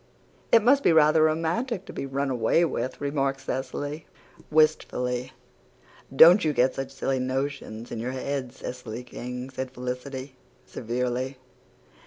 "It must be rather romantic to be run away with," remarked Cecily, wistfully. "Don't you get such silly notions in your head, Cecily King," said Felicity, severely.